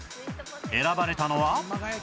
選ばれたのは